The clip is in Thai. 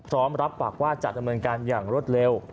รับปากว่าจะดำเนินการอย่างรวดเร็ว